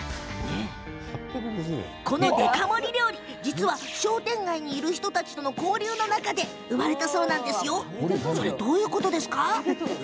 このデカ盛り料理実は商店街にいる人たちとの交流の中で生まれたそうなんですよ。